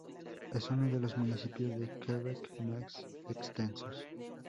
Es un de los municipios de Quebec más extensos.